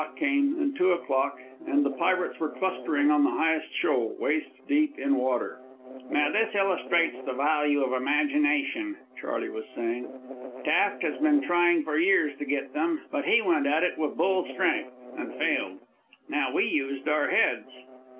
One o'clock came, and two o'clock, and the pirates were clustering on the highest shoal, waist deep in water. "Now this illustrates the value of imagination," Charley was saying. "Taft has been trying for years to get them, but he went at it with bull strength and failed. Now we used our heads...."